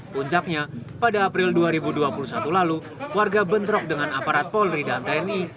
puncaknya pada april dua ribu dua puluh satu lalu warga bentrok dengan aparat polri dan tni